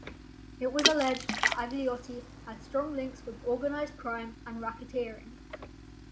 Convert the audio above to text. It was alleged that Agliotti had strong links with organised crime and racketeering.